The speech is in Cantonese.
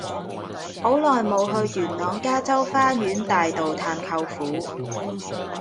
好耐無去元朗加州花園大道探舅父